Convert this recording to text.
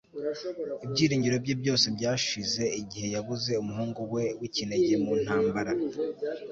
ibyiringiro bye byose byashize igihe yabuze umuhungu we w'ikinege mu ntambara